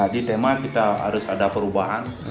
di tema kita harus ada perubahan